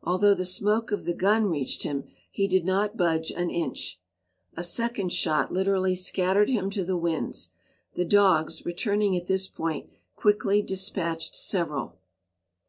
Although the smoke of the gun reached him, he did not budge an inch; a second shot literally scattered him to the winds. The dogs, returning at this point, quickly despatched several.